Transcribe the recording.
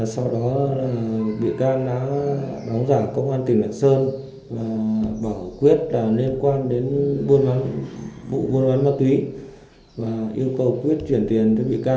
sau đó vị can đã đóng giả công an tỉnh lạc sơn và bảo quyết là liên quan đến